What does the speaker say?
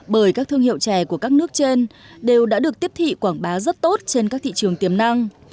bởi các thương hiệu chè của các nước trên đều đã được tiếp thị quảng bá rất tốt trên các thị trường tiềm năng